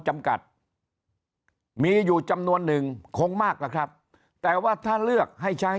จำกัดมีอยู่จำนวนหนึ่งคงมากล่ะครับแต่ว่าถ้าเลือกให้ใช้